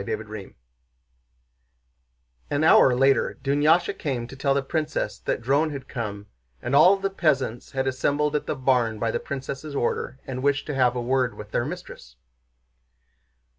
CHAPTER XI An hour later Dunyásha came to tell the princess that Dron had come, and all the peasants had assembled at the barn by the princess' order and wished to have word with their mistress.